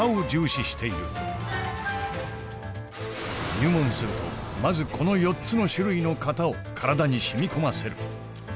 入門するとまずこの４つの種類の型を体にしみこませる。